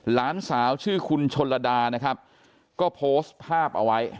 หลานสาวชื่อคุณชนระดานะครับก็โพสต์ภาพเอาไว้